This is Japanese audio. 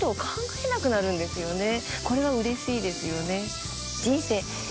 これは嬉しいですよね。